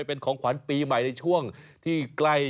เป็นของขวัญปีใหม่ในช่วงที่ใกล้